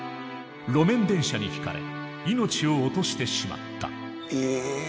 路面電車にひかれ命を落としてしまった。